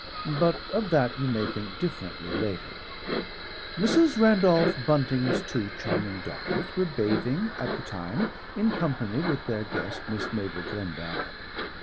But of that you may think differently later. Mrs. Randolph Bunting's two charming daughters were bathing at the time in company with their guest, Miss Mabel Glendower.